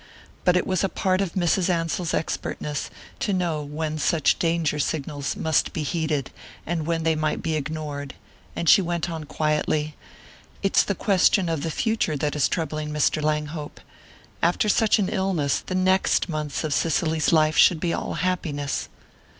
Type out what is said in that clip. But it was a part of Mrs. Ansell's expertness to know when such danger signals must be heeded and when they might be ignored, and she went on quietly: "It's the question of the future that is troubling Mr. Langhope. After such an illness, the next months of Cicely's life should be all happiness.